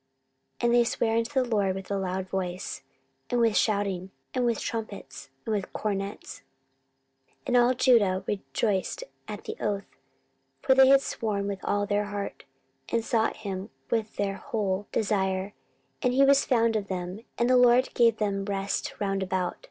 14:015:014 And they sware unto the LORD with a loud voice, and with shouting, and with trumpets, and with cornets. 14:015:015 And all Judah rejoiced at the oath: for they had sworn with all their heart, and sought him with their whole desire; and he was found of them: and the LORD gave them rest round about.